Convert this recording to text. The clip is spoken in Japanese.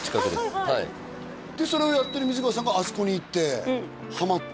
はいはいでそれをやってる水川さんがあそこに行ってハマった？